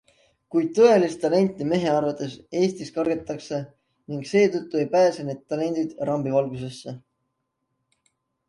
Kuid tõelist talenti mehe arvates Eestis kardetakse ning seetõttu ei pääse need talendid rambivalgusesse.